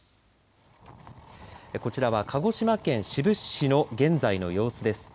こちらは、鹿児島県志布志市の現在の様子です。